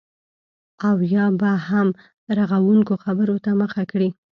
او یا به هم رغونکو خبرو ته مخه کړي